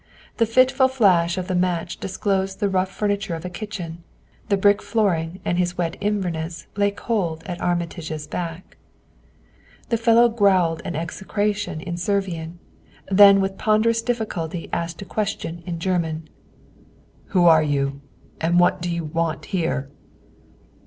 The fitful flash of the match disclosed the rough furniture of a kitchen; the brick flooring and his wet inverness lay cold at Armitage's back. The fellow growled an execration in Servian; then with ponderous difficulty asked a question in German. "Who are you and what do you want here?"